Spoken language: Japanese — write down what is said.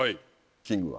キングは。